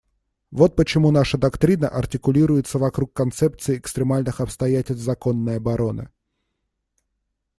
Вот почему наша доктрина артикулируется вокруг концепции экстремальных обстоятельств законной обороны.